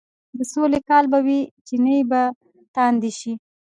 د سولې کال به وي، چينې به تاندې شي،